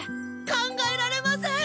考えられません！